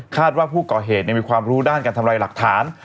ว่าผู้ก่อเหตุมีความรู้ด้านการทำลายหลักฐาน